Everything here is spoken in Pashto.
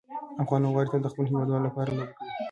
افغان لوبغاړي تل د خپلو هیوادوالو لپاره لوبه کوي.